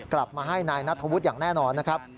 กลับมาให้นายนัทธวุฒิอย่างแน่นอนนะครับ